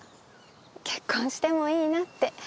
結婚してもいいなって。